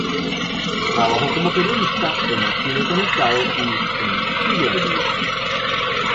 Trabajó como periodista en Chile conectado y en Chile al día.